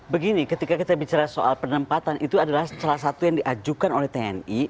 begini ketika kita bicara soal penempatan itu adalah salah satu yang diajukan oleh tni